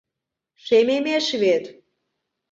Шемемеш вет.